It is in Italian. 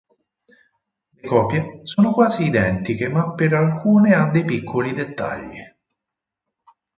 Le copie sono quasi identiche ma per alcune ha dei piccoli dettagli.